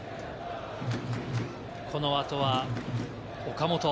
この後は岡本。